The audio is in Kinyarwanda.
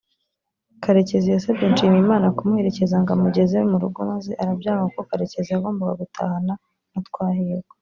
Karekezi yasabye Nshimiyimana kumuherekeza ngo amugeze mu rugo maze arabyanga kuko Karekezi yagombaga gutahana na Twahirwa